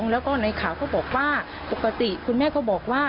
แล้วก็ในข่าวก็บอกว่าปกติคุณแม่ก็บอกว่า